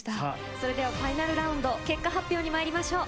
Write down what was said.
それではファイナルラウンド結果発表にまいりましょう。